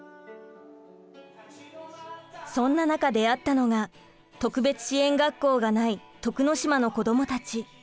そんな中出会ったのが特別支援学校がない徳之島の子供たち。